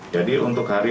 jadi untuk hari ini